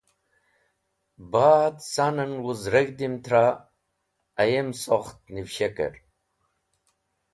Ba’d ca’n en wuz reg̃hdim tra ayem sokht nivshaker.